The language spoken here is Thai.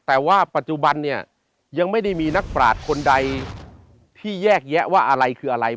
แต่ว่าปัจจุบันเนี่ยยังไม่ได้มีนักปราศคนใดที่แยกแยะว่าอะไรคืออะไร